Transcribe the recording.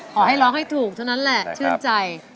ขอให้ร้องให้ถูกเท่านั้นแหละชื่นใจ